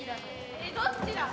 えっどっちだ？